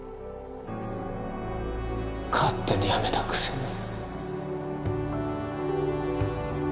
勝手にやめたくせに